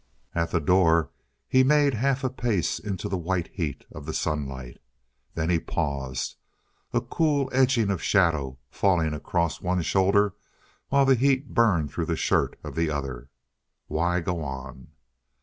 At the door he made half a pace into the white heat of the sunlight. Then he paused, a cool edging of shadow falling across one shoulder while the heat burned through the shirt of the other. Why go on?